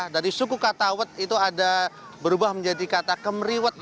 dari suku kata awet itu ada berubah menjadi kata kemeriwet